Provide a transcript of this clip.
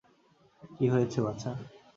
কী হয়েছে বাছা?